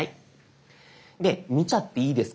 で「見ちゃっていいですか？」